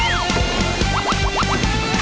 ออปเจ้า